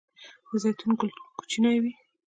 د زیتون ګل کوچنی وي؟